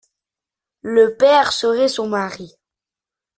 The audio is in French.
Le pair serait son mari.